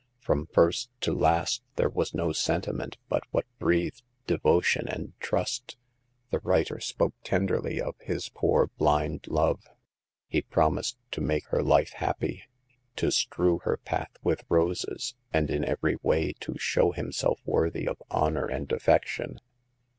From first to last there was no sentiment but what breathed devotion and trust. The writer spoke tenderly of his poor blind love ; he promised to make her life happy, to strew her path with roses, and in every way to show himself worthy of honor and affection.